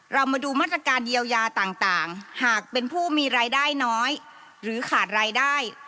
เรามาดูมาตรการเยียวยาต่างหากเป็นผู้มีรายได้น้อยหรือขาดรายได้